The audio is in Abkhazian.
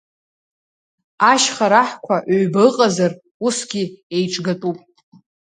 Ашьха раҳқәа ҩба ыҟазар, усгьы еиҿгатәуп!